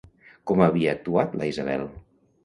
Com havia actuat la Isabel?